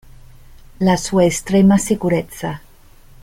La sua estrema sicurezza.